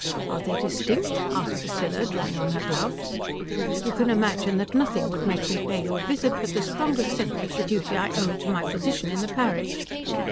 "Are they distinct?" asked Priscilla, drawing on her gloves. "You can imagine that nothing would make me pay you a visit but the strongest sense of the duty I owe to my position in the parish."